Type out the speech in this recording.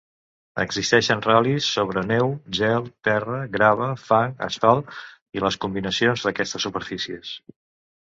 Existeixen ral·lis sobre neu, gel, terra, grava, fang, asfalt i les combinacions d'aquestes superfícies.